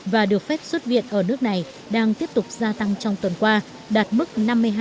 và được phép xuất viện ở nước này đang tiếp tục gia tăng trong tuần qua đạt mức năm mươi hai